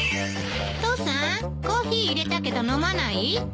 父さんコーヒー入れたけど飲まない？